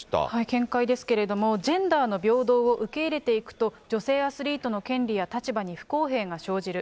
見解ですけれども、ジェンダーの平等を受け入れていくと、女性アスリートの権利や立場に不公平が生じる。